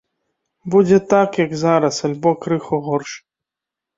Будзе так, як зараз, альбо крыху горш.